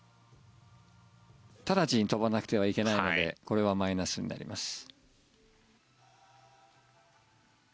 直ちに跳ばなくてはいけないのでこれはマイナスになります。